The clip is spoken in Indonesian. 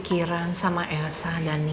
namanya dalan mh disana